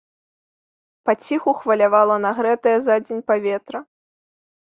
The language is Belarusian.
Паціху хвалявала нагрэтае за дзень паветра.